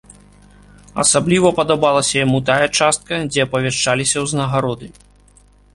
Асабліва падабалася яму тая частка, дзе апавяшчаліся ўзнагароды.